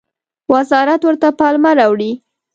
وزارت ورته پلمه راوړي.